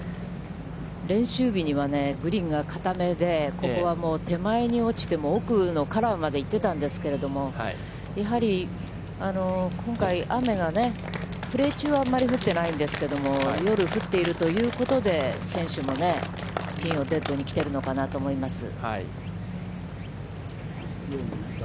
練習日にはグリーンが固めで、ここは、もう手前に落ちても奥のカラーまで行ってたんですけれども、やはり今回、雨が、プレー中はあんまり降ってないんですけれども、夜降っているということで、選手もピンをデッドに来ているのかなと思います。